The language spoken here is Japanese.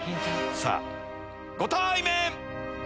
さぁご対面！